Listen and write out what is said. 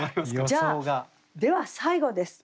じゃあでは最後です。